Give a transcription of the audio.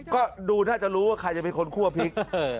ก็ดูน่าจะรู้ว่าใครจะเป็นคนคั่วพริก